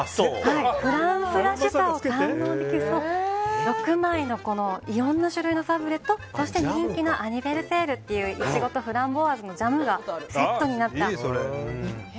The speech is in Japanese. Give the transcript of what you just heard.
フランスらしさを堪能できる６枚のいろんな種類のサブレとそして人気のアニヴェルセールというイチゴとフランボワーズのジャムがセットとなった